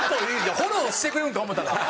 フォローしてくれるんか思うたら。